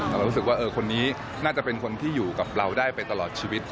เรารู้สึกว่าคนนี้น่าจะเป็นคนที่อยู่กับเราได้ไปตลอดชีวิต